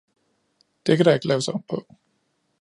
Det kan der ikke laves om på.